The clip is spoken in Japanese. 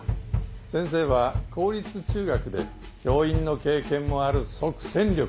先生は公立中学で教員の経験もある即戦力です！